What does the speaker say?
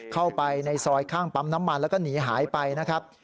เข้าไปในซอยข้างปั๊มน้ำมันแล้วก็หนีหายไปนะครับ